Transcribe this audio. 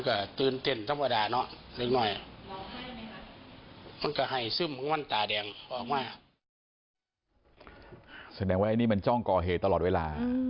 แสดงว่าอันนี้มันจ้องก่อเหตุตลอดเวลา